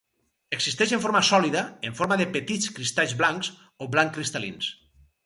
Existeix en forma sòlida en forma de petits cristalls blancs o blanc cristal·lins.